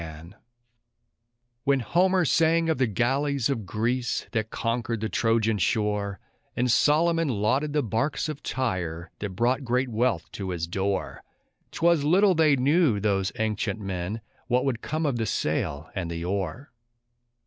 When Homer sang of the galleys of Greece that conquered the Trojan shore, And Solomon lauded the barks of Tyre that brought great wealth to his door, 'Twas little they knew, those ancient men, what would come of the sail and the oar.